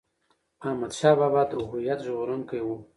احمد شاه بابا د هویت ژغورونکی و.